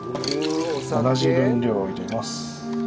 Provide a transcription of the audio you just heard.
同じ分量を入れます。